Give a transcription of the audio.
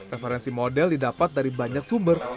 referensi model didapat dari banyak sumber